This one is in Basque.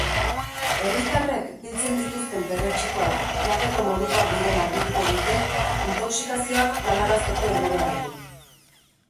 Herritarrek biltzen dituzten perretxikoak jateko modukoak diren argituko dute, intoxikazioak galarazteko helburuarekin.